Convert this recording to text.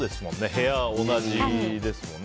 部屋、同じですもんね。